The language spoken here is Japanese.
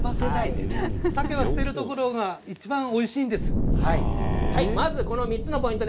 さけは捨てるところがいちばんおいしいです。